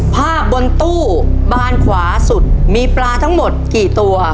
บนตู้บานขวาสุดมีปลาทั้งหมดกี่ตัว